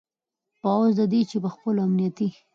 په عوض د دې چې په خپلو امنیتي